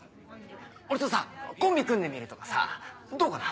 俺とさコンビ組んでみるとかさどうかな？